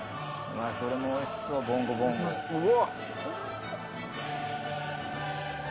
それもおいしそう、ボンゴボンゴ。